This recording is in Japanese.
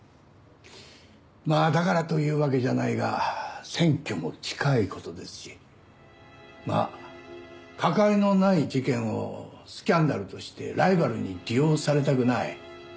まあだからというわけじゃないが選挙も近い事ですしまあ関わりのない事件をスキャンダルとしてライバルに利用されたくない。